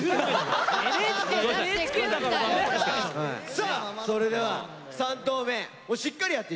さあそれでは３投目しっかりやって頂いて。